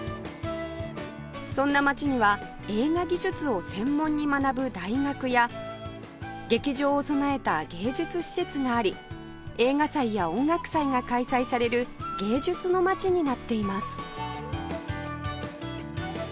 そんな街には映画技術を専門に学ぶ大学や劇場を備えた芸術施設があり映画祭や音楽祭が開催される芸術の街になっています